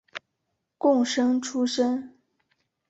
贡生出身。